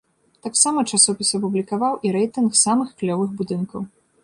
Таксама часопіс апублікаваў і рэйтынг самых клёвых будынкаў.